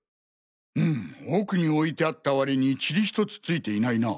うむ奥に置いてあった割にチリひとつ付いていないな。